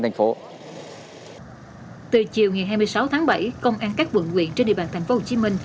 từ chiều ngày hai mươi sáu tháng bảy công an các vận viện trên địa bàn tp hcm